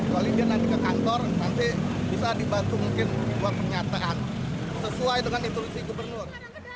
kecuali dia nanti ke kantor nanti bisa dibantu mungkin buat pernyataan sesuai dengan instruksi gubernur